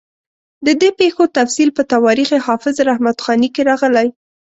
د دې پېښو تفصیل په تواریخ حافظ رحمت خاني کې راغلی.